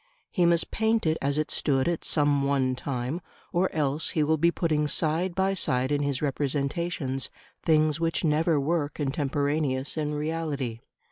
He must paint it as it stood at some one time, or else he will be putting side by side in his representations things which never were contemporaneous in reality.